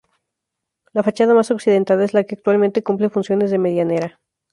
La fachada más occidental es la que actualmente cumple funciones de medianera.